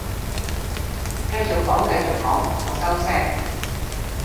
繼續講繼續講，我收聲